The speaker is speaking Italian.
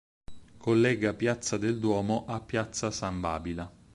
Collega piazza del Duomo a piazza San Babila.